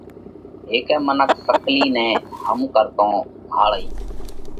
هيڪئہ منک سڪلِي نئہ هم ڪرتون ڀاۯئِي۔